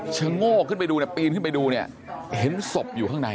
ชังโงกขึ้นไปดูมีศพอยู่ข้างใน